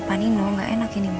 kalau ada coy